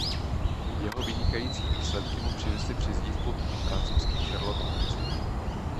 Jeho vynikající výsledky mu vynesly přezdívku „francouzský Sherlock Holmes“.